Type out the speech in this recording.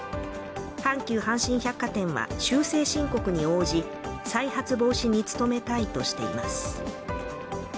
阪急阪神百貨店は修正申告に応じ、再発防止に努めたいとしています。